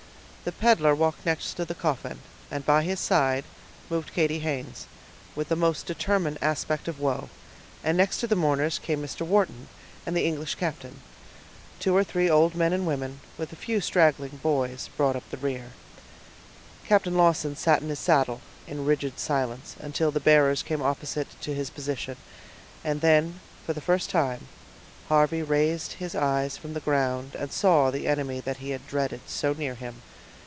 The peddler walked next the coffin, and by his side moved Katy Haynes, with a most determined aspect of woe, and next to the mourners came Mr. Wharton and the English captain. Two or three old men and women, with a few straggling boys, brought up the rear. Captain Lawton sat in his saddle, in rigid silence, until the bearers came opposite to his position, and then, for the first time, Harvey raised his eyes from the ground, and saw the enemy that he dreaded so near him.